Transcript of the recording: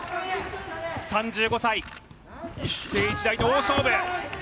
３５歳、一世一代の大勝負。